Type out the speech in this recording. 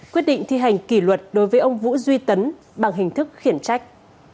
quyết định thi hành kỷ luật đối với ông vũ duy tấn bằng hình thức khiển trách